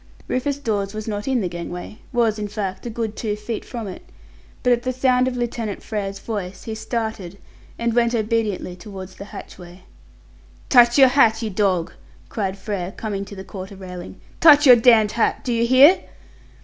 Rufus Dawes was not in the gangway was, in fact, a good two feet from it, but at the sound of Lieutenant Frere's voice he started, and went obediently towards the hatchway. "Touch your hat, you dog!" cries Frere, coming to the quarter railing. "Touch your damned hat! Do you hear?"